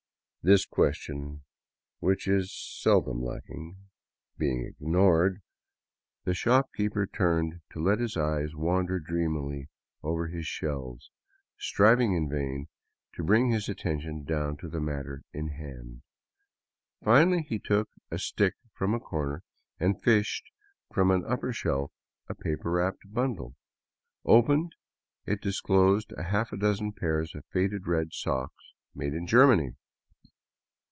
This question, which is seldom lacking, being ignored, the shop 90 DOWN THE ANDES TO QUITO keeper turned to let his eyes wander dreamily over his shelves, striving *n vain to bring his attention down to the matter in hand. Finally he took a stick from a corner and fished from an upper shelf a paper wrapped bundle. Opened, it disclosed a half dozen pairs of faded red socks, made in Germany.